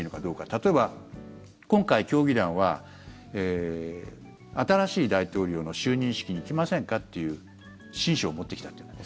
例えば今回、協議団は新しい大統領の就任式に来ませんか？っていう親書を持ってきたと。